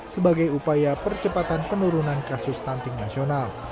sebagai upaya percepatan penurunan kasus stunting nasional